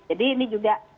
jadi ini juga